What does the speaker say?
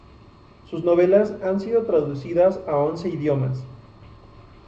Sus novelas han sido traducidas a once idiomas.